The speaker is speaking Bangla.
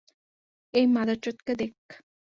এই মাদারচোদকে দেখ!